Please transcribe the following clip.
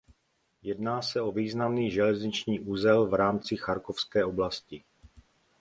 Jedná se o významný železniční uzel v rámci Charkovské oblasti.